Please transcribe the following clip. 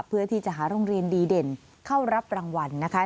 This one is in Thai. เพื่อที่จะหาโรงเรียนดีเด่นเข้ารับรางวัลนะคะ